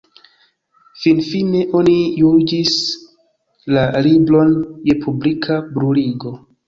Finfine oni juĝis la libron je publika bruligo.